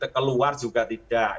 keluar juga tidak